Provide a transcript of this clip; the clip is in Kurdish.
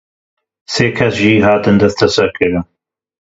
Sê kes jî hatin desteserkirin.